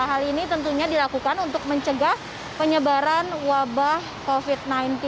hal ini tentunya dilakukan untuk mencegah penyebaran wabah covid sembilan belas